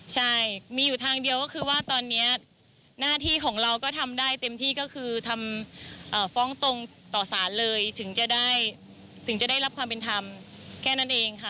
ใช่มีอยู่ทางเดียวก็คือว่าตอนนี้หน้าที่ของเราก็ทำได้เต็มที่ก็คือทำฟ้องตรงต่อสารเลยถึงจะได้ถึงจะได้รับความเป็นธรรมแค่นั้นเองค่ะ